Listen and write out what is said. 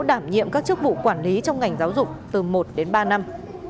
đảm nhiệm các chức vụ quản lý trong ngành giáo dục từ một đến ba năm